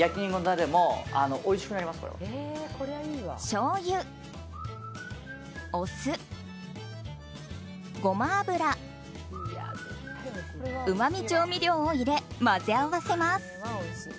しょうゆ、お酢、ゴマ油うまみ調味料を入れ混ぜ合わせます。